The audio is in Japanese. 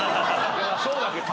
そうだけど。